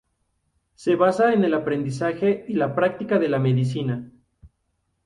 Se basa en el aprendizaje y la práctica de la Medicina.